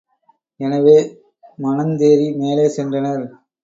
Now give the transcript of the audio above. எனவே மனந்தேறி மேலே சென்றனர்.